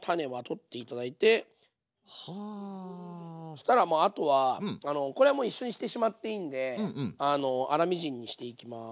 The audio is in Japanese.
したらもうあとはこれはもう一緒にしてしまっていいんで粗みじんにしていきます。